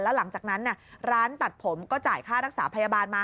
แล้วหลังจากนั้นร้านตัดผมก็จ่ายค่ารักษาพยาบาลมา